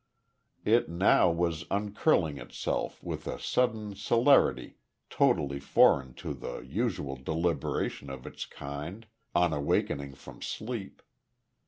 It, now, was uncurling itself with a sudden celerity totally foreign to the usual deliberation of its kind on awakening from sleep.